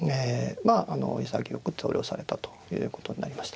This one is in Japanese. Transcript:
まああの潔く投了されたということになりました。